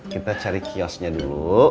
kita cari kiosnya dulu